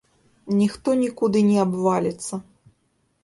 Ніхто нікуды не абваліцца.